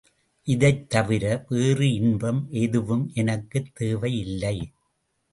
இதைத்தவிர வேறு இன்பம் எதுவும் எனக்குத் தேவையில்லை!